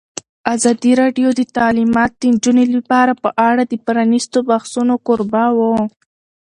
ازادي راډیو د تعلیمات د نجونو لپاره په اړه د پرانیستو بحثونو کوربه وه.